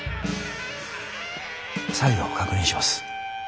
再度確認します。